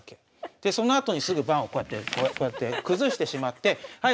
でそのあとにすぐ盤をこうやってこうやって崩してしまってはい